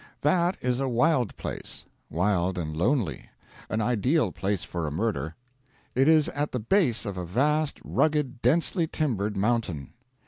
That is a wild place wild and lonely; an ideal place for a murder. It is at the base of a vast, rugged, densely timbered mountain.